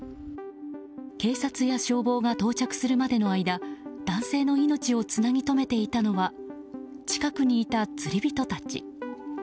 警察や消防が到着するまでの間男性の命をつなぎ止めていたのは近くにいた釣り人たち。